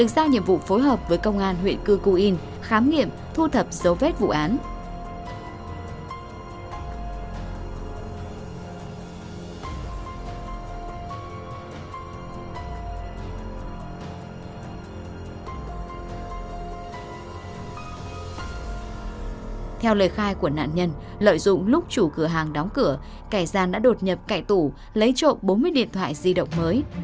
theo lời khai của nạn nhân lợi dụng lúc chủ cửa hàng đóng cửa cải gian đã đột nhập cải tủ lấy trộm bốn mươi điện thoại di động mới